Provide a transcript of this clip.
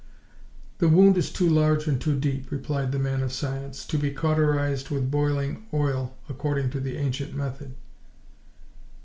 "The wound is too large and too deep," replied the man of science, "to be cauterised with boiling oil, according to the ancient method.